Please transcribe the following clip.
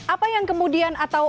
apa yang kemudian atau